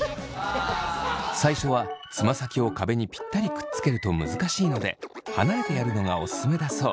最初はつま先を壁にぴったりくっつけると難しいので離れてやるのがオススメだそう。